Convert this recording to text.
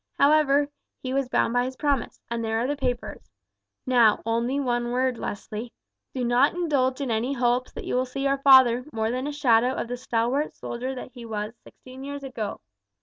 However, he was bound by his promise, and there are the papers. Now, only one word, Leslie. Do not indulge in any hopes that you will see your father more than a shadow of the stalwart soldier that he was sixteen years ago.